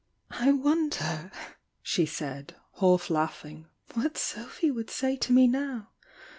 "I wonder," she said, half laughing, "what Sophy would say to me now!